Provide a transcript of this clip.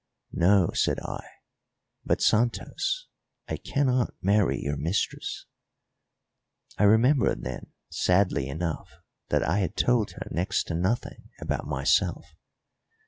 "No," said I; "but, Santos, I cannot marry your mistress." I remembered then, sadly enough, that I had told her next to nothing about myself.